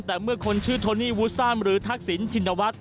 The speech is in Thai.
แต่เมื่อคนชื่อโทนี่วูซ่ามหรือทักษิณชินวัฒน์